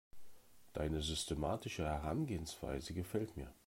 Deine systematische Herangehensweise gefällt mir.